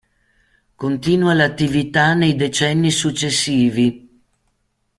Continua l'attività nei decenni successivi